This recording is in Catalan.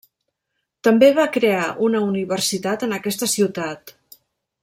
També va crear una universitat en aquesta ciutat.